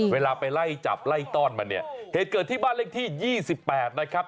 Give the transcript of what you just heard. เวลาไปไล่จับไล่ต้อนมันเนี่ยเหตุเกิดที่บ้านเลขที่๒๘นะครับ